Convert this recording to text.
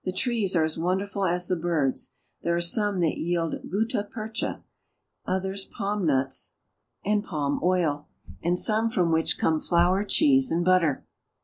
s are as wonderful as the birds. There are field gutta percha, others palm nuts and palm 1 i 1 84 AFRICA oil, and some from which come flour, cheese, and butter.